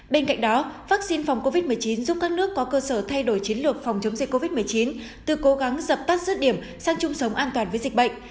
bên cạnh đó vaccine phòng covid một mươi chín giúp các nước có cơ sở thay đổi chiến lược phòng chống dịch covid một mươi chín từ cố gắng dập tắt dứt điểm sang chung sống an toàn với dịch bệnh